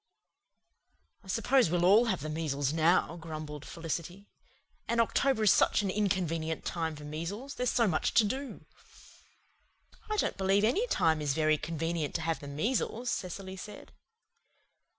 "I suppose we'll all have the measles now," grumbled Felicity. "And October is such an inconvenient time for measles there's so much to do." "I don't believe any time is very convenient to have the measles," Cecily said.